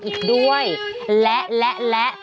อีกด้วยและและ